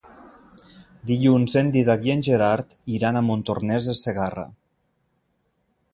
Dilluns en Dídac i en Gerard iran a Montornès de Segarra.